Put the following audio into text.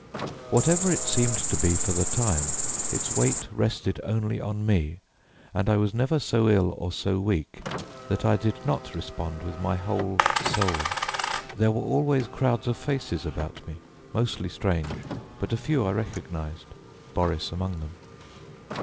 Whatever it seemed to be for the time, its weight rested only on me, and I was never so ill or so weak that I did not respond with my whole soul. There were always crowds of faces about me, mostly strange, but a few I recognized, Boris among them.